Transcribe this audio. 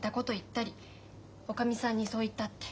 おかみさんにそう言ったって。